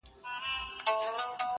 د کور ټول غړي چوپ دي او وېره لري,